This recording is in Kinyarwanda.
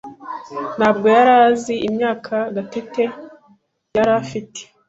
ntabwo yari azi imyaka Cadette yari afite.